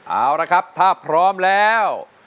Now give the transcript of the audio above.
เอาละครับถ้าพร้อมแล้ว